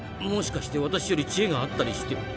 もしかして私より知恵があったりして。